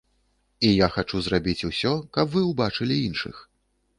І я хачу зрабіць усё, каб вы ўбачылі іншых.